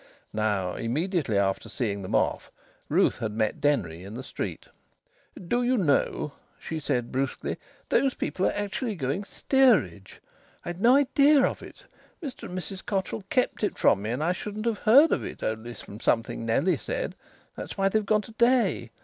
Now immediately after seeing them off Ruth had met Denry in the street. "Do you know," she said brusquely, "those people are actually going steerage? I'd no idea of it. Mr and Mrs Cotterill kept it from me, and I should not have heard of it only from something Nellie said. That's why they've gone to day.